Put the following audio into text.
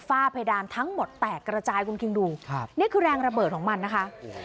เพดานทั้งหมดแตกระจายคุณคิงดูครับนี่คือแรงระเบิดของมันนะคะ